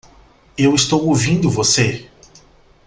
Eu estou ouvindo você!